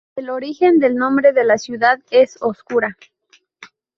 El origen del nombre de la ciudad es oscura.